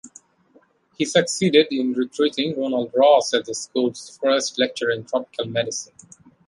He succeeded in recruiting Ronald Ross as the school's first lecturer in Tropical Medicine.